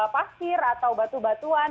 pasir atau batu batuan